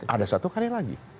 ada satu kali lagi